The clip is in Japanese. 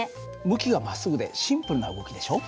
向きがまっすぐでシンプルな動きでしょ？